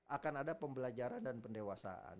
akan ada pembelajaran dan pendewasaan